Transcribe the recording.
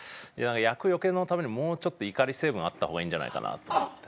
厄除けのためにもうちょっと怒り成分あった方がいいんじゃないかなと思って。